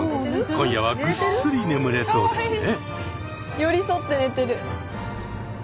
今夜はぐっすり眠れそうですね。